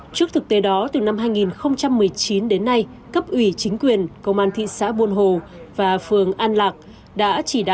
trước thực tế đó từ năm hai nghìn một mươi chín đến nay cấp ủy chính quyền công an thị xã buồn hồ và phường an lạc đã tổ chức ngày hội toàn dân bảo vệ an ninh tổ quốc năm hai nghìn hai mươi ba